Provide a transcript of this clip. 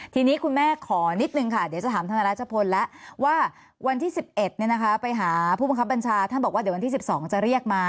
ทีนี้คุณแม่ขอนิดนึงค่ะเดี๋ยวจะถามธนราชพลแล้วว่าวันที่๑๑ไปหาผู้บังคับบัญชาท่านบอกว่าเดี๋ยววันที่๑๒จะเรียกมา